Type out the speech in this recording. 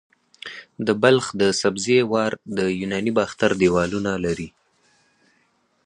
د بلخ د سبزې وار د یوناني باختر دیوالونه لري